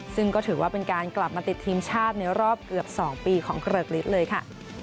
ซึ่งก็ถือว่าเป็นการกลับมาติดทีมชาติในรอบเกือบ๒ปีของเกริกฤทธิ์เลยค่ะ